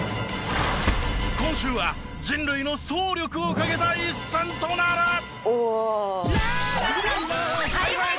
今週は人類の総力をかけた一戦となる。